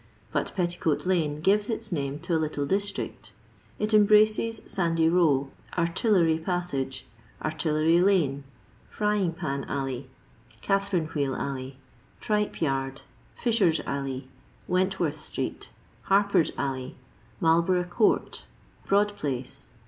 But Petticoat lane gives its name to a little district. It embraces Sandys row, Artillery passage. Artil lery lane, Frying pan alley, Catherine Wheel alley, Tripe yard, Fishers alley, Wentwortli street, liarper'stalley^ Mar) borough court, Broad place.